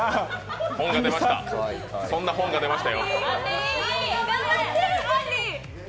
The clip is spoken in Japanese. そんな本が出ましたよ。